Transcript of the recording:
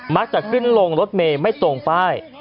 จะขึ้นลงรถเมย์ไม่ตรงป้าย